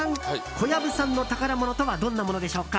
小籔さんの宝物とはどんなものでしょうか？